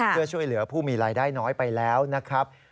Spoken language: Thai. เพื่อช่วยเหลือผู้มีรายได้น้อยไปแล้วนะครับ